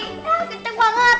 hah keteng banget